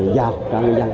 giao cho ngư dân